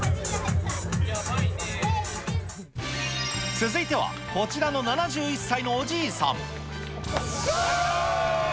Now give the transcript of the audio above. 続いては、こちらの７１歳のおじいさん。